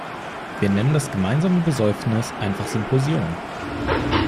Wir nennen das gemeinsame Besäufnis einfach Symposion.